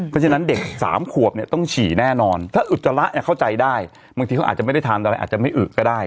เพราะฉะนั้นเด็กสามขวบเนี่ยต้องฉี่แน่นอนถ้าอุจจาระเนี่ยเข้าใจได้บางทีเขาอาจจะไม่ได้ทานอะไรอาจจะไม่อึก็ได้